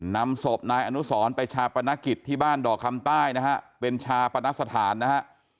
นำศพนายอนุสรไปชาปนกิจที่บ้านดอกคำใต้นะฮะเป็นชาปนสถานนะฮะ